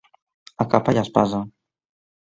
A capa i espasa.